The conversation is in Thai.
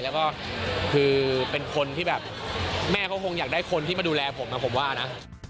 แล้วก็คือเป็นคนที่แบบแม่เขาคงอยากได้คนที่มาดูแลผมนะผมว่านะ